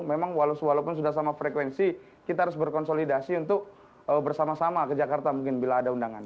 memang walaupun sudah sama frekuensi kita harus berkonsolidasi untuk bersama sama ke jakarta mungkin bila ada undangan